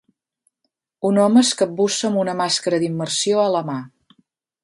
Un home es capbussa amb una màscara d'immersió a la mà.